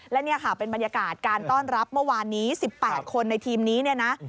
และเป็นบรรยากาศการต้อนรับเมื่อวานนี้๑๘คนในทีมนี้นะ